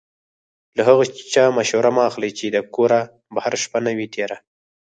له هغه چا مشوره مه اخلئ چې د کوره بهر شپه نه وي تېره.